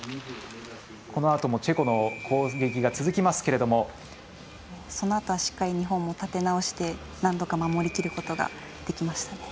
このあともチェコの攻撃が続きますけれどもそのあとはしっかり日本も立て直して何度か守りきることができました。